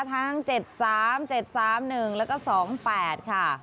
ทั้ง๗๓๗๓๑แล้วก็๒๘ค่ะ